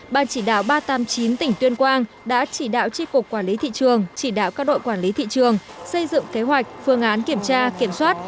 ban chỉ đạo ba trăm tám mươi chín tỉnh tuyên quang đã chỉ đạo tri cục quản lý thị trường chỉ đạo các đội quản lý thị trường xây dựng kế hoạch phương án kiểm tra kiểm soát